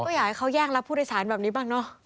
ก็อยากให้เขาแย่งรับผู้โดยสารแบบนี้บ้างเนอะ